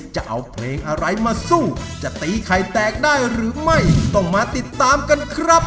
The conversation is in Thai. จะเอาเพลงอะไรมาสู้จะตีไข่แตกได้หรือไม่ต้องมาติดตามกันครับ